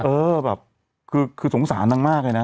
เออแบบคือสงสารนางมากเลยนะ